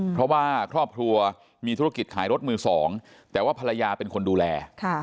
เพราะว่าครอบครัวมีธุรกิจขายรถมือสองแต่ว่าภรรยาเป็นคนดูแล